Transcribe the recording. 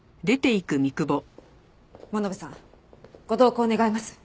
物部さんご同行願います。